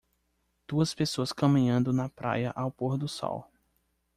Duas pessoas caminhando na praia ao pôr do sol.